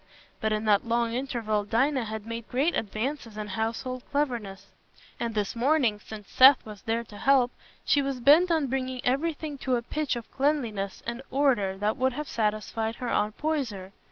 But in that long interval Dinah had made great advances in household cleverness, and this morning, since Seth was there to help, she was bent on bringing everything to a pitch of cleanliness and order that would have satisfied her Aunt Poyser.